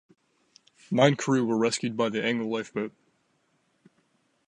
Nine crew were rescued by the Angle Lifeboat.